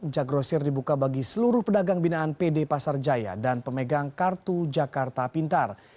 jak grosir dibuka bagi seluruh pedagang binaan pd pasar jaya dan pemegang kartu jakarta pintar